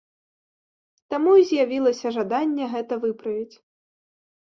Таму і з'явілася жаданне гэта выправіць.